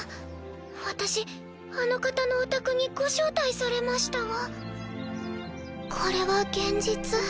私あの方のお宅にご招待されましたわ。